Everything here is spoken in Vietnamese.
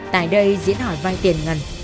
tại đây diễn hỏi vai tiền ngân